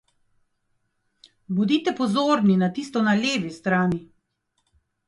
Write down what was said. Bodite pozorni na tisto na levi strani.